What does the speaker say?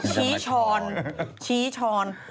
ชี้ช้อนชี้ช้อน